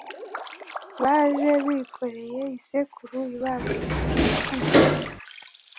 Baje bikoreye isekuru ibajwe mu giti cy’umuvumu.